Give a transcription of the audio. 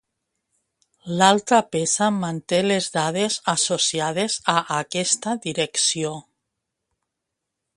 L'altra peça manté les dades associades a aquesta direcció.